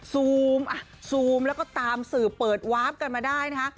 ซูมอ่ะซูมแล้วก็ตามสื่อเปิดวาร์ฟกันมาได้นะคะ